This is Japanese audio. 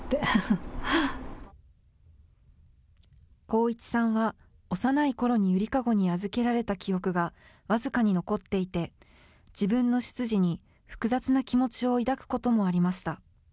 航一さんは、幼いころにゆりかごに預けられた記憶が僅かに残っていて、自分の出自に複雑な気持ちを抱くこともありました。